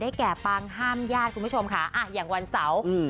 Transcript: แก่ปังห้ามญาติคุณผู้ชมค่ะอ่ะอย่างวันเสาร์อืม